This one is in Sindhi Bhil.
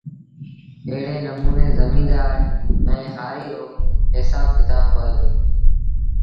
ايڙي نموٚني زميݩدآر ائيٚݩ هآريٚ رو هسآب ڪتآب هوئي دو